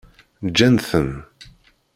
Ǧǧan-ten.